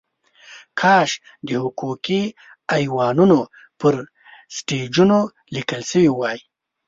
کاش د حقوقي ایوانونو پر سټیجونو لیکل شوې وای.